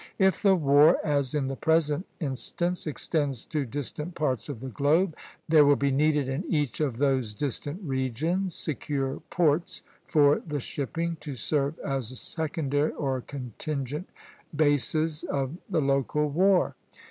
If the war, as in the present instance, extends to distant parts of the globe, there will be needed in each of those distant regions secure ports for the shipping, to serve as secondary, or contingent, bases of the local war.